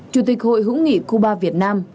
chủ tịch hội hữu nghị cuba việt nam